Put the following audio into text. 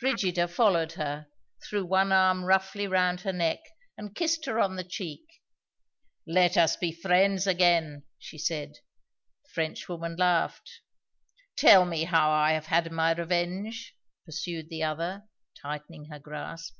Brigida followed her, threw one arm roughly round her neck, and kissed her on the cheek. "Let us be friends again," she said. The Frenchwoman laughed. "Tell me how I have had my revenge," pursued the other, tightening her grasp.